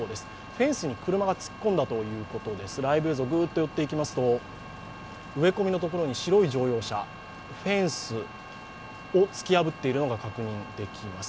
フェンスに車が突っ込んだということです、ライブ映像、ぐーっとよっていきますと植え込みのところに白い乗用車、フェンスを突き破っているのが確認できます。